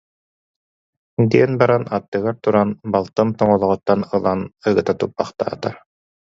диэн баран, аттыгар турар балтын тоҥолоҕуттан ылан, ыгыта туппахтаата